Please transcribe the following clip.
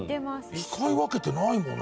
使い分けてないもんな。